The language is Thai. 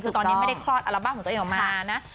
คือตอนนี้ไม่ได้คลอดอัลบั้มของตัวเองออกมานะ